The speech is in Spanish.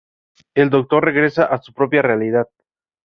El Doctor regresa a su propia realidad.